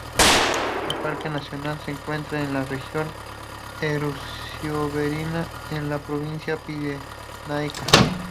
El parque nacional se encuentra en la región eurosiberiana, en la provincia pirenaica.